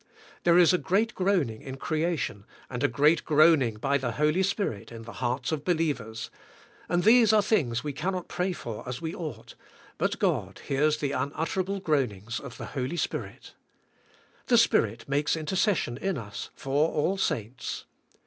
There is a great groaning in creation and a great groaning by the Holy Spirit in the hearts of believers, and these are things we cannot pray for as we ought, but God hears the unutterable groanings of the Holy Spirit. The Spirit makes intercession in us for all saints.